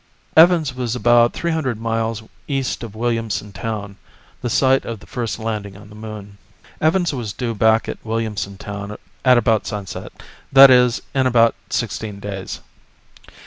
Evans was about three hundred miles east of Williamson Town, the site of the first landing on the Moon. Evans was due back at Williamson Town at about sunset, that is, in about sixteen days.